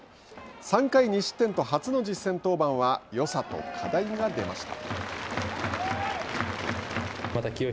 ３回２失点と初の実戦登板はよさと課題が出ました。